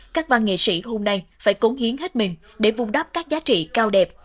các văn nghệ sĩ hôm nay phải cố hiến hết mình để vung đáp các giá trị cao đẹp